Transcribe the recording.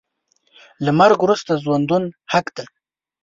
له مرګ وروسته ژوندون حق دی .